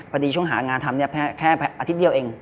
พอดีช่วงหางานทำแค่อาทิตย์เดียวเอง